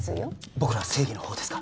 僕らは正義のほうですか？